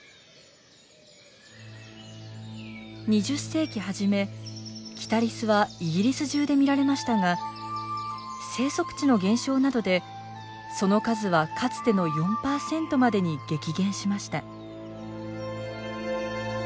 ２０世紀初めキタリスはイギリス中で見られましたが生息地の減少などでその数はかつての４％までに激減しました。